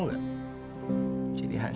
gak apa apa kan aku hansipnya kamu